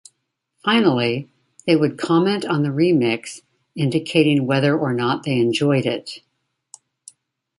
Finally, they would comment on the remix, indicating whether or not they enjoyed it.